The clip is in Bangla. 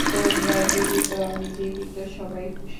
তোমরা জীবিত, আমি জীবিত, সবাই খুশি।